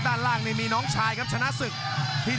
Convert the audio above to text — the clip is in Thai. อย่าหลวนนะครับที่เตือนทางด้านยอดปรับศึกครับ